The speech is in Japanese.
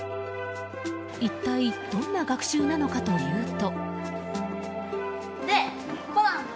一体どんな学習なのかというと。